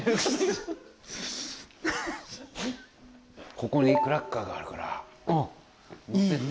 ここにクラッカーがあるからのせて。